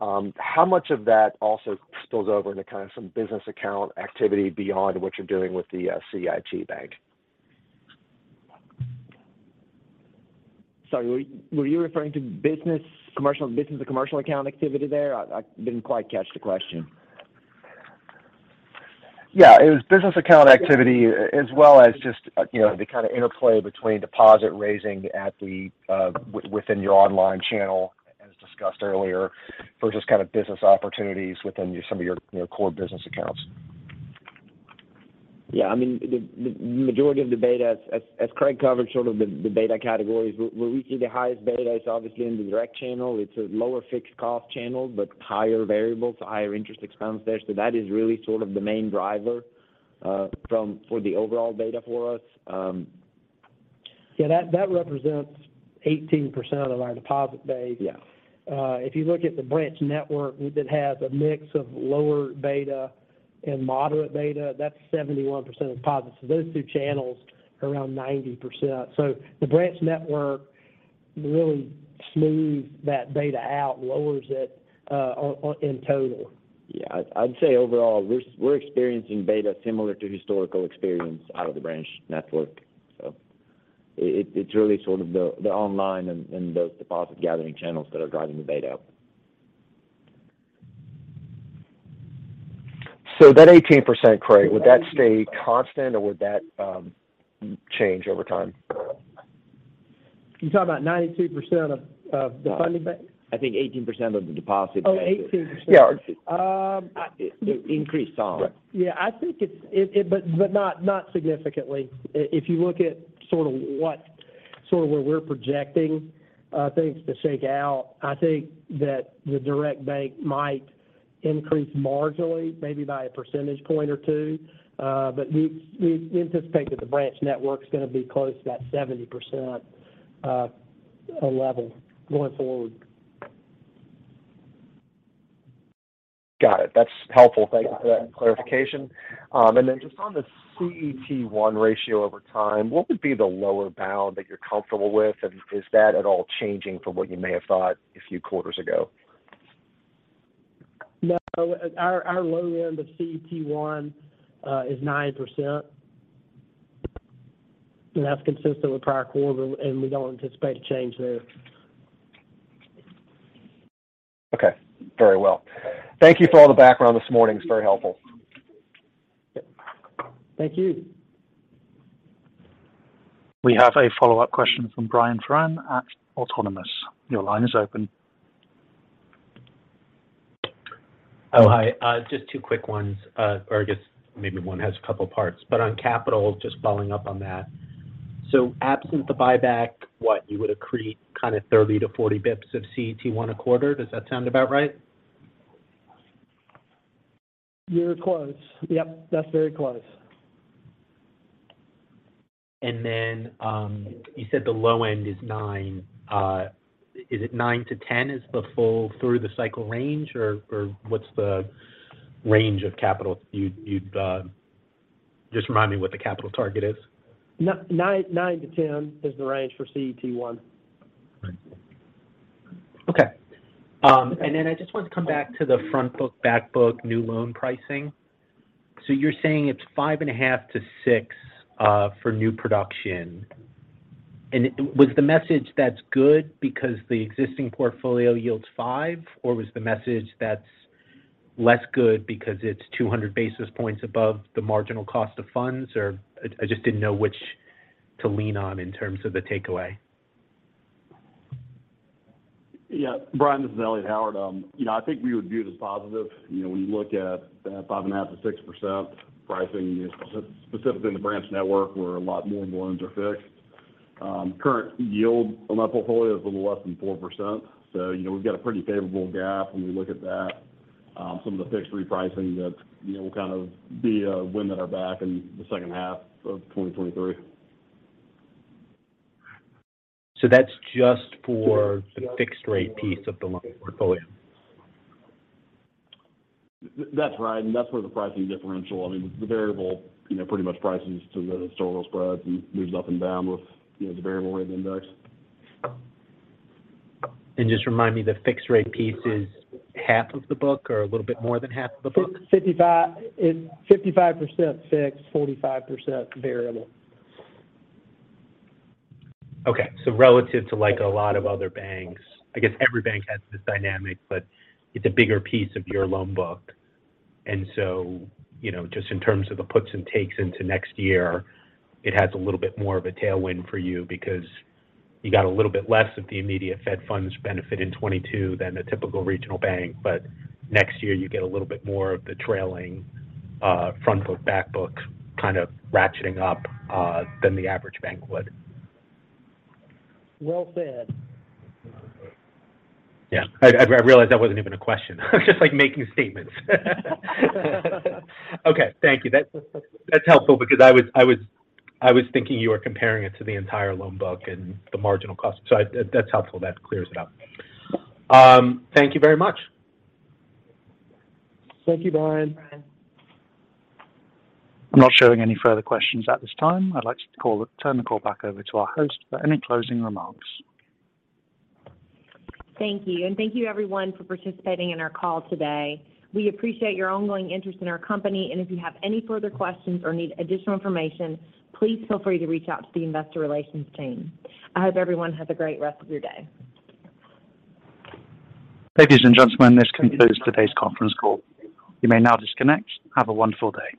How much of that also spills over into kind of some business account activity beyond what you're doing with the CIT Bank? Sorry, were you referring to business, commercial business or commercial account activity there? I didn't quite catch the question. Yeah. It was business account activity as well as just, you know, the kind of interplay between deposit raising at the within your online channel, as discussed earlier, versus kind of business opportunities within some of your core business accounts. Yeah. I mean, the majority of the beta, as Craig covered, sort of the beta categories, where we see the highest beta is obviously in the direct channel. It's a lower fixed cost channel, but higher variable, so higher interest expense there. That is really sort of the main driver for the overall beta for us. Yeah. That, that represents 18% of our deposit base. Yeah. If you look at the branch network that has a mix of lower beta and moderate beta, that's 71% of deposits. Those two channels are around 90%. The branch network really smooths that beta out, lowers it on in total. Yeah. I'd say overall we're experiencing beta similar to historical experience out of the branch network. It's really sort of the online and those deposit gathering channels that are driving the beta. That 18%, Craig, would that stay constant or would that change over time? You're talking about 92% of the funding bank? I think 18% of the deposit bank. Oh, 18%. Yeah. The accretion income. Yeah. I think it's but not significantly. If you look at where we're projecting things to shake out, I think that the direct bank might increase marginally, maybe by a percentage point or two. We anticipate that the branch network's gonna be close to that 70% level going forward. Got it. That's helpful. Thank you for that clarification. Just on the CET1 ratio over time, what would be the lower bound that you're comfortable with? Is that at all changing from what you may have thought a few quarters ago? No. Our low end of CET1 is 9%. That's consistent with prior quarter, and we don't anticipate a change there. Okay. Very well. Thank you for all the background this morning. It's very helpful. Thank you. We have a follow-up question from Brian Foran at Autonomous. Your line is open. Hi. Just two quick ones. I guess maybe one has a couple parts. On capital, just following up on that. Absent the buyback, what? You would accrete kind of 30 to 40 basis points of CET1 a quarter? Does that sound about right? You're close. Yep, that's very close. You said the low end is 9%. Is it 9% to 10% is the full through the cycle range? Or what's the range of capital? You'd Just remind me what the capital target is. 9%-10% is the range for CET1. Okay. I just want to come back to the front book, back book new loan pricing. You're saying it's 5.5%-6% for new production. Was the message that's good because the existing portfolio yields 5%? Was the message that's less good because it's 200 basis points above the marginal cost of funds? I just didn't know which to lean on in terms of the takeaway. Yeah. Brian, this is Stephen Scouten. You know, I think we would view it as positive. You know, when you look at that 5.5%-6% pricing, specifically in the branch network where a lot more loans are fixed. Current yield on that portfolio is a little less than 4%. You know, we've got a pretty favorable gap when we look at that. Some of the fixed repricing that, you know, will kind of be a wind at our back in the second half of 2023. That's just for the fixed rate piece of the loan portfolio. That's right. That's where the pricing differential. I mean, the variable, you know, pretty much prices to the historical spreads and moves up and down with, you know, the variable rate index. Just remind me, the fixed rate piece is half of the book or a little bit more than half of the book? 55, it's 55% fixed, 45% variable. Okay. Relative to, like, a lot of other banks. I guess every bank has this dynamic, but it's a bigger piece of your loan book. You know, just in terms of the puts and takes into next year, it has a little bit more of a tailwind for you because you got a little bit less of the immediate Fed funds benefit in 2022 than a typical regional bank. Next year you get a little bit more of the trailing front book, back book kind of ratcheting up than the average bank would. Well said. Yeah. I realized that wasn't even a question. I was just, like, making statements. Okay. Thank you. That's helpful because I was thinking you were comparing it to the entire loan book and the marginal cost. That's helpful. That clears it up. Thank you very much. Thank you, Brian. I'm not showing any further questions at this time. I'd like to turn the call back over to our host for any closing remarks. Thank you. Thank you everyone for participating in our call today. We appreciate your ongoing interest in our company, and if you have any further questions or need additional information, please feel free to reach out to the investor relations team. I hope everyone has a great rest of your day. Ladies and gentlemen, this concludes today's conference call. You may now disconnect. Have a wonderful day.